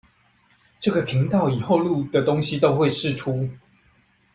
這個頻道以後錄的東西都會釋出